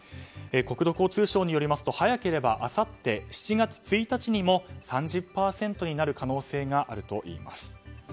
国土交通省によりますと早ければあさって７月１日にも３０％になる可能性があるといいます。